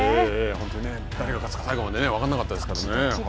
本当に誰が勝つか、最後まで分からなかったですからね。